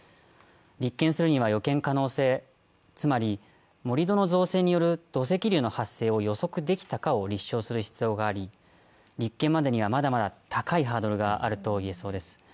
立憲するには予見可能性、つまり盛り土の造成による土石流の発生を予測できたかを立証する必要があり、立件までにはまだまだ高いハードルがあると癒えそうです。